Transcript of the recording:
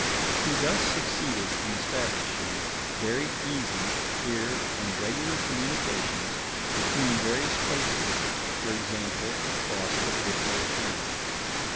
He thus succeeded in establishing very easy, clear, and regular communications between various places; for example, across the Bristol Channel.